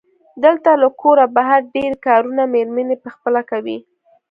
دلته له کوره بهر ډېری کارونه مېرمنې پخپله کوي.